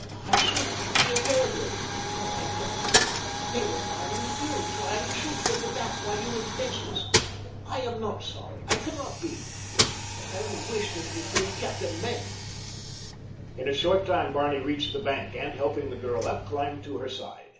I should feel terribly, but I don't. They were firing at you, trying to shoot you in the back while you were defenseless. I am not sorry—I cannot be; but I only wish that it had been Captain Maenck." In a short time Barney reached the bank and, helping the girl up, climbed to her side.